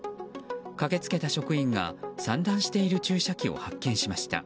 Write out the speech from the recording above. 駆け付けた職員が散乱している注射器を発見しました。